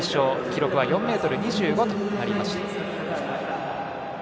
記録は４ｍ２５となりました。